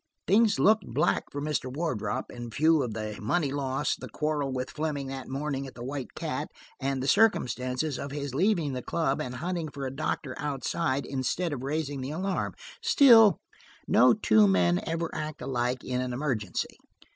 Things looked black for Mr. Wardrop, in view of the money lost, the quarrel with Fleming that morning at the White Cat, and the circumstance of his leaving the club and hunting for a doctor outside, instead of raising the alarm. Still, no two men ever act alike in an emergency.